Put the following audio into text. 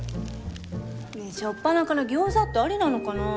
ねえ初っぱなから餃子ってありなのかなあ？